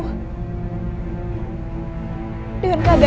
apa yang kena